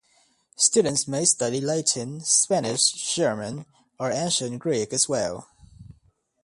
Students may study Latin, Spanish, German or Ancient Greek as well.